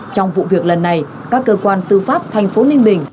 trong vụ việc lần này các cơ quan tư pháp thành phố ninh bình